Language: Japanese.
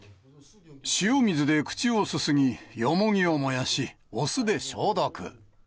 塩水で口をすすぎ、ヨモギを燃やし、お酢で消毒。